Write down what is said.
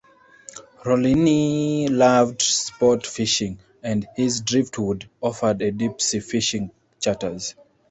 Rollini loved sport-fishing, and his Driftwood offered deep-sea fishing charters.